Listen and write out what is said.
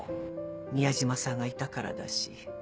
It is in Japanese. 宮島さんがいたからだし。